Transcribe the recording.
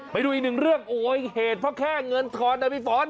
ไปดูอีกหนึ่งเรื่องโอ้ยเหตุเพราะแค่เงินทอนนะพี่ฟ้อน